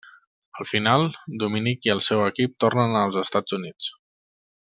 Al final, Dominic i el seu equip tornen als Estats Units.